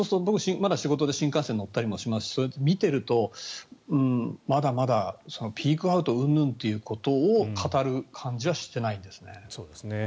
まだ仕事で新幹線に乗ったりもしますから見ているとまだまだピークアウトうんぬんということを語る感じはしていないですね。